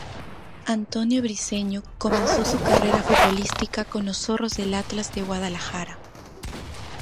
Antonio Briseño comenzó su carrera futbolística con los zorros del Atlas de Guadalajara.